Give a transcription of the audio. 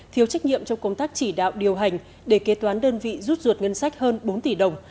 thiếu trách nhiệm trong công tác chỉ đạo điều hành để kế toán đơn vị rút ruột ngân sách hơn bốn tỷ đồng